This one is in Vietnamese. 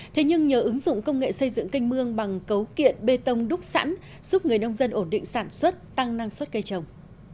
thế nhưng nhờ ứng dụng công nghệ xây dựng canh mương bằng cấu kiện bê tông đúc sẵn giúp người nông dân ổn định sản xuất tăng năng suất cây trồng